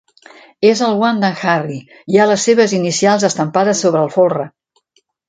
És el guant d'en Harry; hi ha les seves inicials estampades sobre el folre.